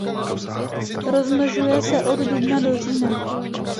Rozmnožuje se od dubna do října.